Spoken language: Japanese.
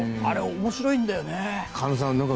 あれ、面白いんだよね。